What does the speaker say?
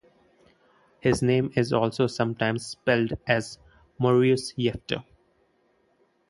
His name is also sometimes spelled as Muruse Yefter.